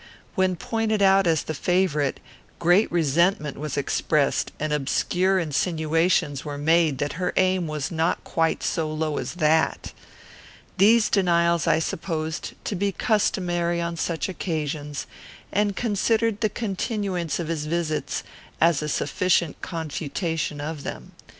When pointed out as the favourite, great resentment was expressed, and obscure insinuations were made that her aim was not quite so low as that. These denials I supposed to be customary on such occasions, and considered the continuance of his visits as a sufficient confutation of them.